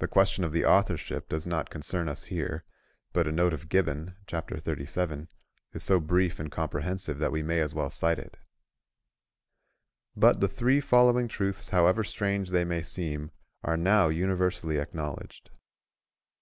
The question of the authorship does not concern us here, but a note of Gibbon (chapter 37) is so brief and comprehensive that we may as well cite it:—"But the three following truths, however strange they may seem, are now universally acknowledged.